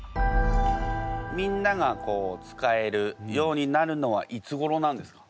みんなが使えるようになるのはいつごろなんですか？